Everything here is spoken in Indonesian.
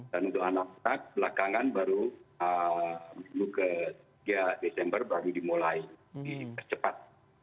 dan untuk anak anak belakangan baru ke tiga desember baru dimulai dipercepat